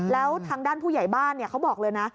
แล้วทางด้านผู้ใหญ่บ้านเขาบอกเลยนะ